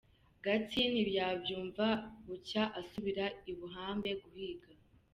Gatsi ntiyabyumva; bucya asubira i Buhambe guhiga.